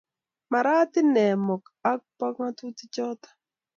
Marat inne mok ak bo ngatutik choto.